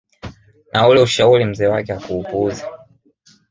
Na ule ushauri mzee wake hakuupuuza